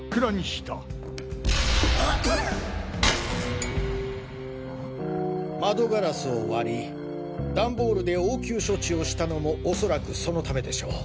（光彦・歩美・元太窓ガラスを割り段ボールで応急処置をしたのもおそらくそのためでしょう。